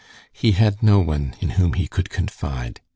He had no one in whom he could confide.